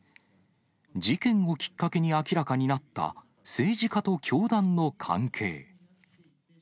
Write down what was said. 事件をきっかけに明らかになった、政治家と教団の関係。